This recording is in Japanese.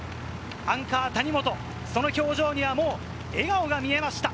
アンカー・谷本、その表情にはもう笑顔が見えました。